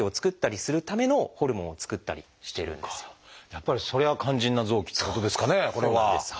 やっぱりそれは「肝腎な臓器」ってことですかねこれは。